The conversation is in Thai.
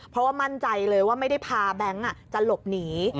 เพราะว่ามั่นใจเลยว่าไม่ได้พาแบงค์จะหลบหนี